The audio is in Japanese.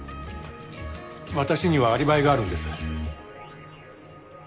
私にはアリバイがあるんです。